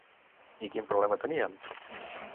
I quin problema tenien?